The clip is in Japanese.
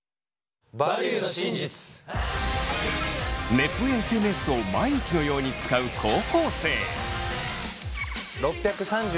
ネットやＳＮＳを毎日のように使う高校生。